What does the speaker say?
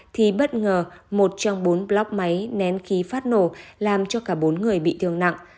thì bất ngờ một trong bốn block máy nén khí phát nổ làm cho cả bốn người bị thương nặng